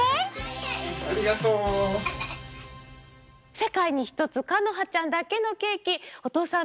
せかいにひとつかのはちゃんだけのケーキおとうさん